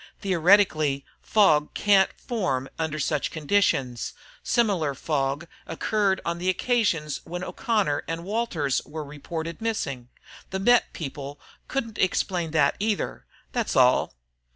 "Theoretically, fog can't form under such conditions. Similar local fog occurred on the occasions when O'Connor and Walters were reported missing. The Met. people couldn't explain that, either. That's all."